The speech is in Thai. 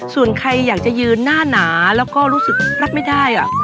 ส่วนใครอยากจะยืนหน้าหนาแล้วก็รู้สึกรับไม่ได้